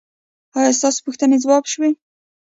ایا ستاسو پوښتنې ځواب شوې؟